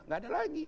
nggak ada lagi